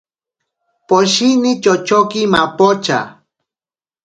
Poshini chochoki mapocha.